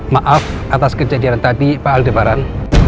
maaf atas kejadian tadi pak aldebaran